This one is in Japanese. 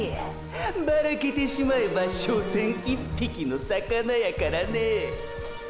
バラけてしまえばしょせん１匹の魚やからね！